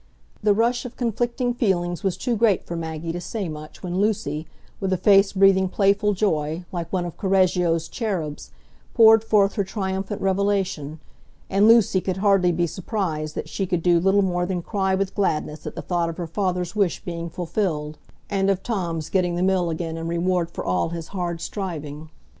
The rush of conflicting feelings was too great for Maggie to say much when Lucy, with a face breathing playful joy, like one of Correggio's cherubs, poured forth her triumphant revelation; and Lucy could hardly be surprised that she could do little more than cry with gladness at the thought of her father's wish being fulfilled, and of Tom's getting the Mill again in reward for all his hard striving.